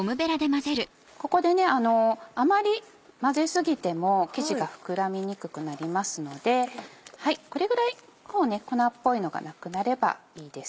ここであまり混ぜ過ぎても生地が膨らみにくくなりますのでこれぐらい粉っぽいのがなくなればいいです。